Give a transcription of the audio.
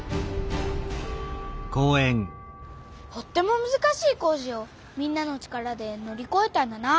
とってもむずかしい工事をみんなの力でのりこえたんだなあ。